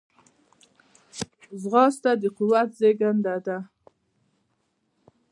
ځغاسته د قوت زیږنده ده